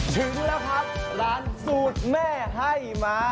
ชื่อพูดละครับร้านสูตรแม่ให้มา